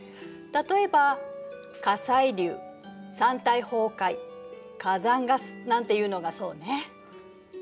例えば火砕流山体崩壊火山ガスなんていうのがそうね。